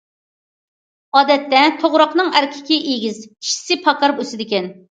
ئادەتتە، توغراقنىڭ ئەركىكى ئېگىز، چىشىسى پاكار ئۆسىدىكەن.